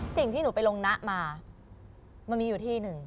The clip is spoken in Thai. สิ่งที่หนูไปลงนะมามันมีอยู่ที่หนึ่ง